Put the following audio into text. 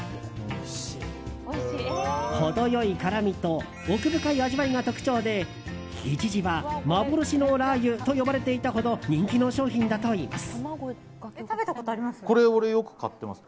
程良い辛みと奥深い味わいが特徴で一時は幻のラー油と呼ばれていたほど人気の商品だといいます。